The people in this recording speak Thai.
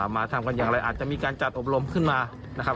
มาทำกันอย่างไรอาจจะมีการจัดอบรมขึ้นมานะครับ